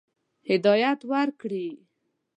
هدایت ورکړي.